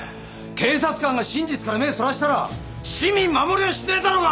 警察官が真実から目そらしたら市民守れやしないだろうが！